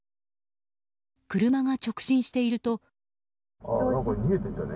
車が直進していると。